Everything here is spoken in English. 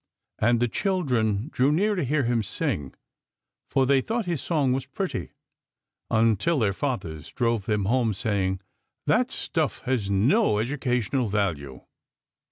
And the children drew near to hear him sing, for they thought his song was pretty, until their fathers drove them home, saying, " That stuff has no educa tional value."